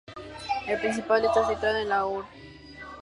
El principal está situado en la Urb.